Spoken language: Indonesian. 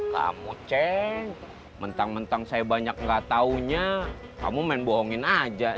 kamu ceng mentang mentang saya banyak nggak taunya kamu main bohongin aja eh